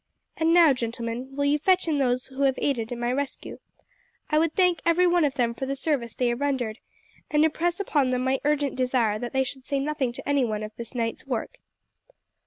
And now, gentlemen, will you fetch in those who have aided in my rescue. I would thank every one of them for the service they have rendered, and impress upon them my urgent desire that they should say nothing to anyone of this night's work."